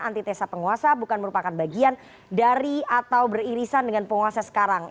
antitesa penguasa bukan merupakan bagian dari atau beririsan dengan penguasa sekarang